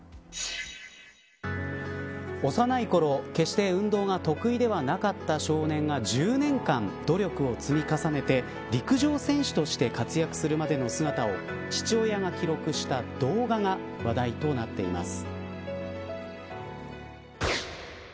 幼いころ、決して運動が得意ではなかった少年が１０年間、努力を積み重ねて陸上選手として活躍するまでの姿を父親が記録した動画が話題となっています。